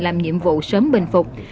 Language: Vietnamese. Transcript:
làm nhiệm vụ sớm bình phục